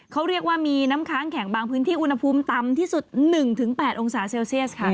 เขาเรียกว่ามีน้ำค้างแข็งบางพื้นที่อุณหภูมิต่ำที่สุด๑๘องศาเซลเซียสค่ะ